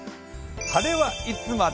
晴れはいつまで？